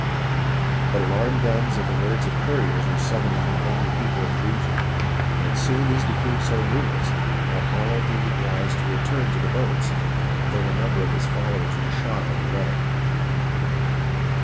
But alarm guns and the words of couriers were sum moning the angry people of the region, and soon these became so numerous that Arnold deemed it wise to WASHINGTON'S MARCH AND ARNOLD'S RAID 375 return to the boats, though a number of his followers were shot on the way.